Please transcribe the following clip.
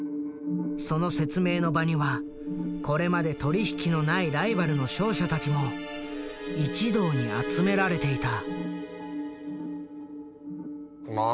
その説明の場にはこれまで取り引きのないライバルの商社たちも一堂に集められていた。